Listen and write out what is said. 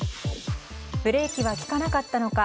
ブレーキは利かなかったのか。